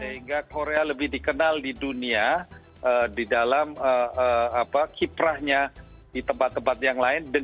sehingga korea lebih dikenal di dunia di dalam kiprahnya di tempat tempat yang lain